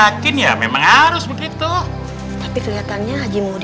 kalau kita mau ngumpulin yang kecil kecil kayak begini nih